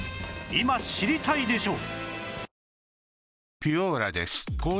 今知りたいでしょ！